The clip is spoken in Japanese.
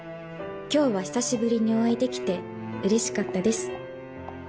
「今日は久しぶりにお会いできて嬉しかったです」